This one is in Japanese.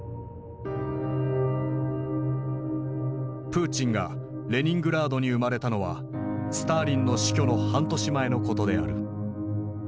プーチンがレニングラードに生まれたのはスターリンの死去の半年前のことである。